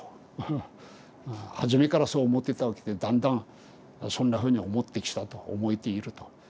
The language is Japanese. はじめからそう思ってたわけでだんだんそんなふうに思ってきたと思えていると。